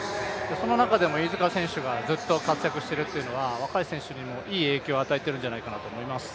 その中でも飯塚選手がずっと活躍しているっていうのが、若い選手にもいい影響を与えているんじゃないかなって思います。